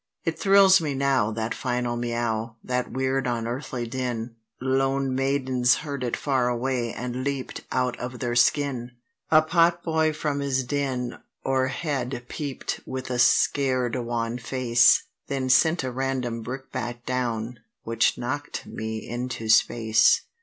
It thrills me now, that final Miaow—that weird unearthly din: Lone maidens heard it far away, and leap'd out of their skin. A potboy from his den o'erhead peep'd with a scared wan face; Then sent a random brickbat down, which knock'd me into space.